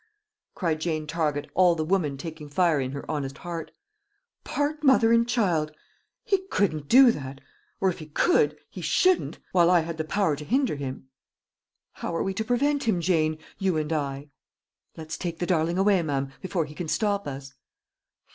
cried Jane Target, all the woman taking fire in her honest heart. "Part mother and child! He couldn't do that; or if he could, he shouldn't, while I had the power to hinder him." "How are we to prevent him, Jane you and I?" "Let's take the darling away, ma'am, before he can stop us."